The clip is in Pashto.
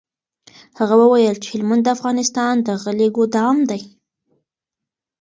هغه وویل چي هلمند د افغانستان د غلې ګودام دی.